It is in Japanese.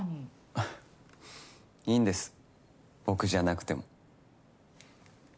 あっいいんです僕じゃなくても。